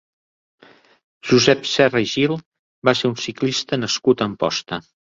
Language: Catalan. Josep Serra i Gil va ser un ciclista nascut a Amposta.